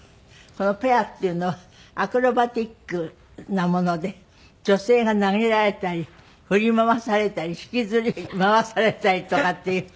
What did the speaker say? このペアっていうのはアクロバティックなもので女性が投げられたり振り回されたり引きずり回されたりとかっていう。